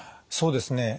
そうですね。